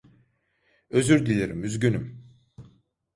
Özür dilerim, üzgünüm.